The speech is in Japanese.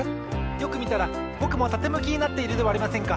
よくみたらぼくもたてむきになっているではありませんか！